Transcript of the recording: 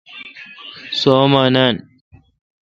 سو°اما نان۔